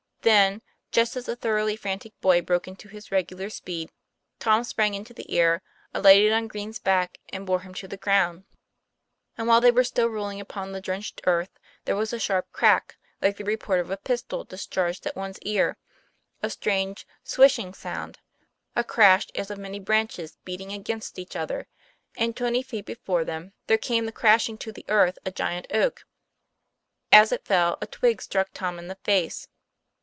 Then, just as the thoroughly frantic boy broke into his regular speed, Tom sprang into the air, alighted on Green's back, and bor>* him to the ground. TOM PLA YFAIR. 107 And while they were still rolling upon the drenched sarth, there was a sharp crack, like the report of a pistol discharged at one's ear, a strange swishing sound, a crash as of many branches beating against each other; and, twenty feet before them, there came crashing to the earth a giant oak. As it fell, a twig struck Tom in the face.